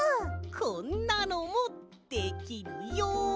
こんなのもできるよ。